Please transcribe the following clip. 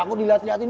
itu udah kelihatan